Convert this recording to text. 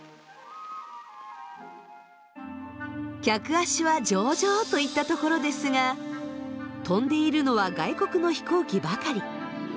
客足は上々といったところですが飛んでいるのは外国の飛行機ばかり。